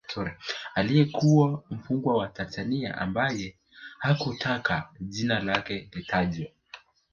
Aliyekuwa mfungwa wa Tanzania ambaye hakutaka jina lake litajwe